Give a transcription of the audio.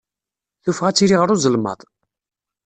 Tuffɣa ad tili ɣer uzelmaḍ.